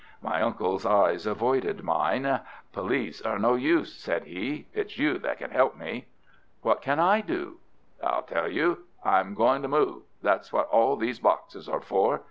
My uncle's eyes avoided mine. "Police are no use," said he. "It's you that can help me." "What can I do?" "I'll tell you. I'm going to move. That's what all these boxes are for.